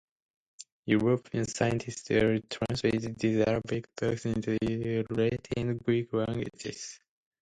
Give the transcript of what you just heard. European scientists then translated these Arabic books into the Latin and Greek languages.